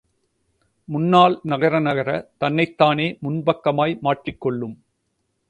முன்னால் நகர நகர, தன்னைத் தானே முன்பக்கமாய் மாற்றிக்கொள்ளும்.